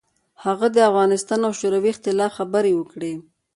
هغه د افغانستان او شوروي اختلاف خبرې وکړې.